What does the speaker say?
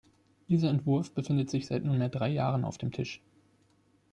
Dieser Entwurf befindet sich seit nunmehr drei Jahren auf dem Tisch.